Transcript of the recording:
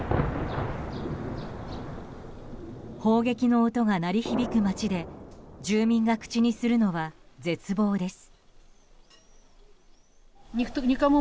砲撃の音が鳴り響く街で住民が口にするのは絶望です。